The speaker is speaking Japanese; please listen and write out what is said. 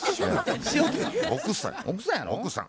奥さん。